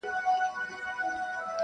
چي نه زر لرې نه مال وي نه آسونه--!